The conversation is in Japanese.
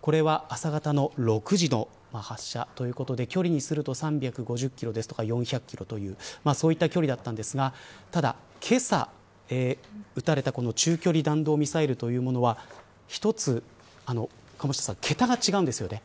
これは朝方の６時の発射ということで距離にすると３５０キロとか４００キロというそういった距離だったんですがただ、けさ撃たれたこの中距離弾道ミサイルというものは一つ、鴨下さん桁が違うんですよね。